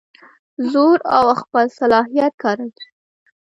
زور او خپل صلاحیت کاروي.